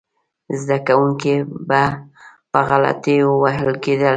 زده کوونکي به په غلطیو وهل کېدل.